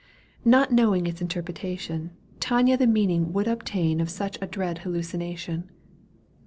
Not knowing its interpretation, Tania the meaning would obtain Of such a dread hallucination.